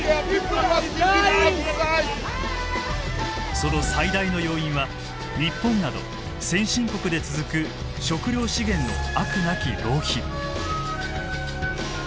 その最大の要因は日本など先進国で続く食料資源の飽くなき浪費。